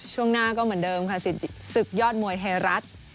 ช่วงหน้าก็เหมือนเดิมค่ะศึกยอดมวยไทยรัฐ